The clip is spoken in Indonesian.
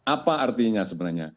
apa artinya sebenarnya